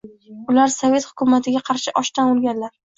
— Ular... sovet hukumatiga qarshi ochdan o‘lganlar!